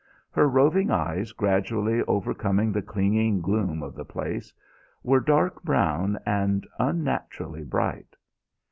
Her roving eyes, gradually overcoming the clinging gloom of the place, were dark brown and unnaturally bright.